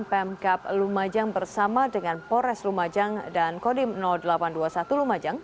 pemkap lumajang bersama dengan polres lumajang dan kodim delapan ratus dua puluh satu lumajang